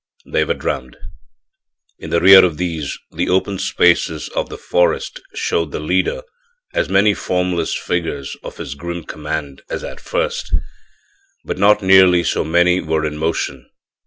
They were drowned. In rear of these, the open spaces of the forest showed the leader as many formless figures of his grim command as at first; but not nearly so many were in motion.